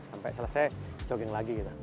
sampai selesai jogging lagi gitu